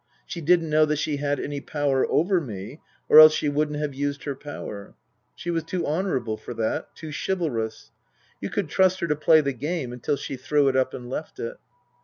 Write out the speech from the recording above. She didn't know that she had any power over me, or else she wouldn't have used her power ; she was too honourable for that, too chivalrous. You could trust her to play the game until she threw it up and left it.